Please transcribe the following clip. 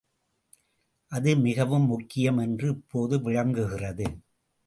அது மிகவும் முக்கியம் என்று இப்போது விளங்குகிறது.